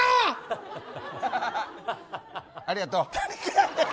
ありがとう。